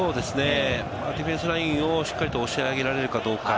ディフェンスラインをしっかりと押し上げられるかどうか。